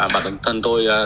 bản thân tôi